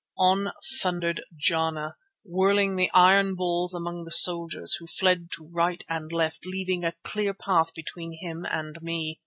On thundered Jana, whirling the iron balls among the soldiers, who fled to right and left leaving a clear path between me and him.